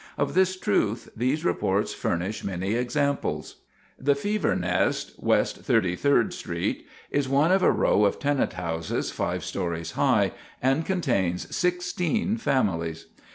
Of this truth these reports furnish many examples. The fever nest West Thirty third Street is one of a row of tenant houses five stories high, and contains 16 families.